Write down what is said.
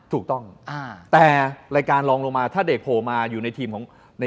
ถูกต้องแต่รายการลองลงมาถ้าเด็กโผล่มาอยู่ในทีมของใน